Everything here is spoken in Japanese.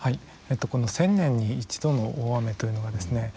この１０００年に１度の大雨というのはですね